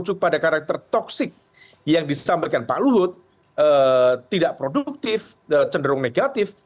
nah kalau misal kemudian merujuk pada karakter toxic yang disampaikan pak luhut tidak produktif cenderung negatif